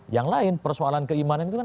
yang lain persoalan keimanan itu kan